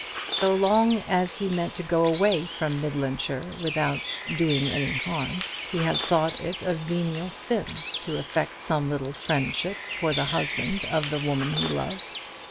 So long as he meant to go away from Midlandshire without "doing any harm," he had thought it a venial sin to affect some little friendship for the husband of the woman he loved.